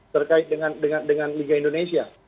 terkait dengan liga indonesia